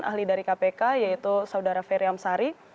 ahli dari kpk yaitu saudara feryam sari